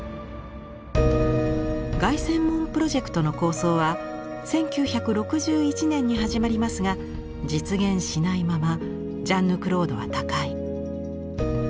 凱旋門プロジェクトの構想は１９６１年に始まりますが実現しないままジャンヌ＝クロードは他界。